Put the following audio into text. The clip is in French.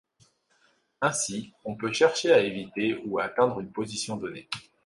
Ainsi, on peut chercher à éviter ou à atteindre une position donnée.